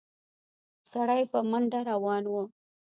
سړی په منډه روان و.